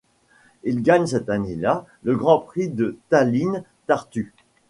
Il gagne cette année-là le Grand Prix de Tallinn-Tartu.